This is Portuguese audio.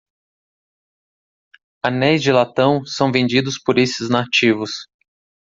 Anéis de latão são vendidos por esses nativos.